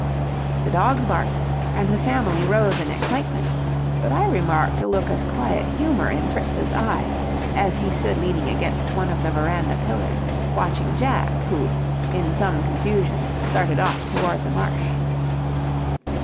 The dogs barked, and the family rose in excitement; but I remarked a look of quiet humor in Fritz's eye, as he stood leaning against one of the veranda pillars, watching Jack, who, in some confusion, started off toward the marsh.